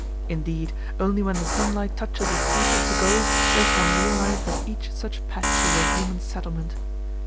Indeed, only when the sunlight touches a steeple to gold does one realise that each such patch is a human settlement.